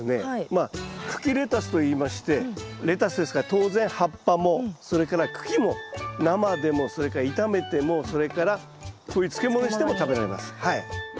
まあ茎レタスといいましてレタスですから当然葉っぱもそれから茎も生でもそれから炒めてもそれからこういう漬物にしても食べられます。